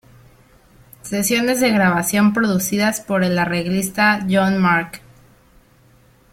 Sesiones de grabación producidas por el arreglista Jon Mark.